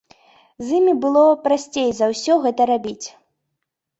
З імі было прасцей за ўсё гэта рабіць.